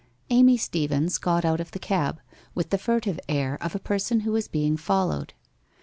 Amy Steevens got out of the cab, with the furtive air of a person who is being followed.